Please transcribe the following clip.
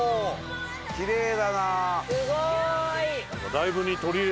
すごい！